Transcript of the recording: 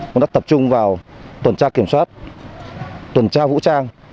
cũng đã tập trung vào tuần tra kiểm soát tuần tra vũ trang